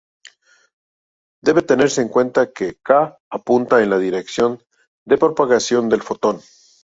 Debe tenerse en cuenta que k apunta en la dirección de propagación del fotón.